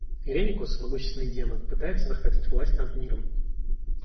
Иреникус, могущественный демон, пытается захватить власть над миром.